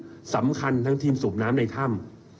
ทีมสูบน้ำสำคัญทั้งทีมสูบน้ำในถ้ำ